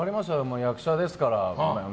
役者ですから。